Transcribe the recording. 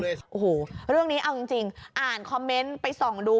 อาจารย์เอาจริงอ่านคอมเมนต์ไปส่องดู